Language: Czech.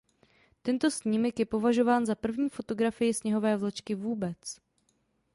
Tento snímek je považován za první fotografii sněhové vločky vůbec.